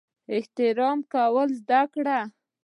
احترام کول زده کړه!